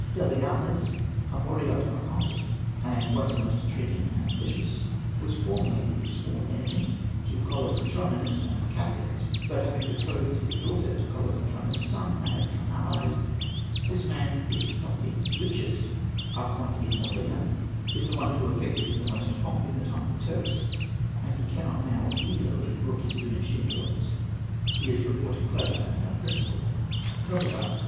DELIYANNES.—A Moreot Archonte, and one of the most intriguing and ambitious; was formerly sworn enemy to Kolokotrones and the captains, but, having betrothed his daughter to Kolokotrones's son, they have become allies. This man, if not the richest Archonte in the Morea, is the one who affected the most pomp in the time of the Turks, and he cannot now easily brook his diminished influence. He is reported clever and unprincipled. NOTABAS.